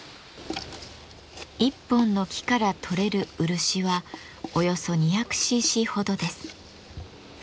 一本の木からとれる漆はおよそ２００ｃｃほどです。